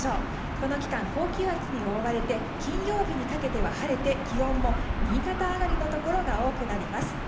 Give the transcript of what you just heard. この期間、高気圧に覆われて金曜日にかけては晴れて気温も新潟辺りのところが多くなります。